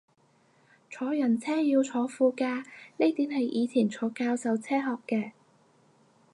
坐人車要坐副駕呢點係以前坐教授車學嘅